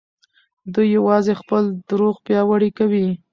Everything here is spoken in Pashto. دوی يوازې خپل دروغ پياوړي کوي.